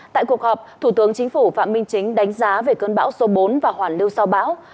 tại cuộc họp thủ tướng chính phủ phạm minh chính đánh giá về cơn bão số bốn và hoàn lưu sau bão